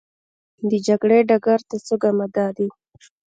د جګړې ډګر ته څوک اماده دي؟